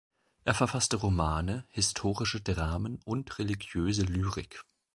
Er verfasste Romane, historische Dramen und religiöse Lyrik.